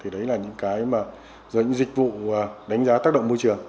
rồi những cái dịch vụ đánh giá tác động môi trường